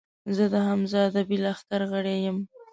زۀ د حمزه ادبي لښکر غړے یم